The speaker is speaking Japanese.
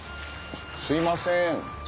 すいません。